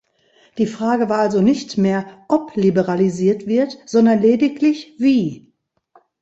Die Frage war also nicht mehr, ob liberalisiert wird, sondern lediglich wie.